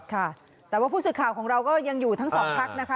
ค่ะแต่ว่าผู้สื่อข่าวของเราก็ยังอยู่ทั้งสองพักนะคะ